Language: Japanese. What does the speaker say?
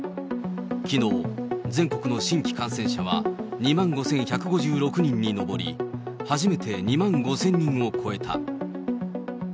きのう、全国の新規感染者は２万５１５６人に上り、初めて２万５０００人を超えた。